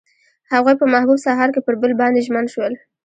هغوی په محبوب سهار کې پر بل باندې ژمن شول.